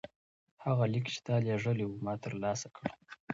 هغه لیک چې تا لیږلی و ما ترلاسه کړ.